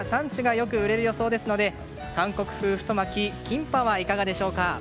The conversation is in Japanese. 焼き肉用の牛肉やサンチュがよく売れる予想ですので韓国風太巻きキンパはいかがでしょうか。